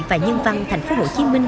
và nhân văn thành phố hồ chí minh